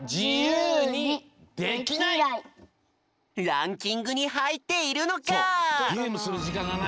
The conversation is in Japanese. ランキングにはいっているのか！？